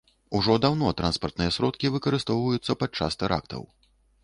Ужо даўно транспартныя сродкі выкарыстоўваюцца падчас тэрактаў.